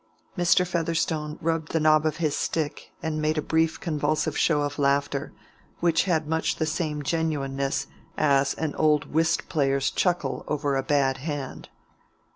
Mr. Featherstone rubbed the knob of his stick and made a brief convulsive show of laughter, which had much the same genuineness as an old whist player's chuckle over a bad hand.